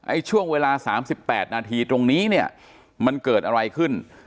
ช่วงเวลา๓๘นาทีตรงนี้เนี่ยมันเกิดอะไรขึ้น